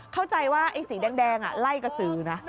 เข้าใจว่าไอ้สีแดงไล่กระสือนะ